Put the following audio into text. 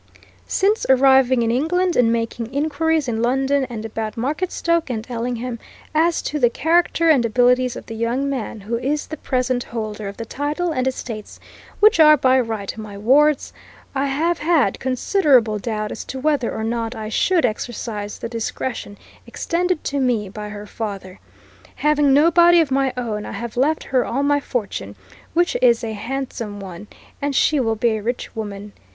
"'Since arriving in England and making inquiries in London and about Marketstoke and Ellingham as to the character and abilities of the young man who is the present holder of the title and estates which are by right my ward's I have had considerable doubt as to whether or not I should exercise the discretion extended to me by her father. Having nobody of my own, I have left her all my fortune, which is a handsome one, and she will be a rich woman.